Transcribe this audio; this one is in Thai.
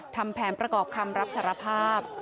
ทำแผนประกอบคำรับสารภาพ